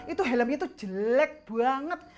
itu helmnya tuh jelek banget